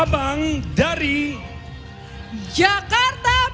none jakarta dua ribu dua puluh dua